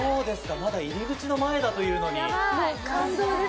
まだ入り口の前だというのに。